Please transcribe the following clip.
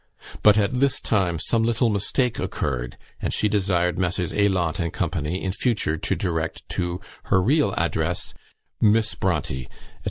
but at this time some "little mistake occurred," and she desired Messrs. Aylott and Co. in future to direct to her real address, "Miss Bronte," &c.